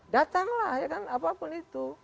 datanglah ya kan apapun itu